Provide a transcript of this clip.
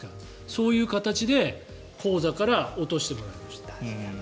そういう形で口座から落としてもらいました。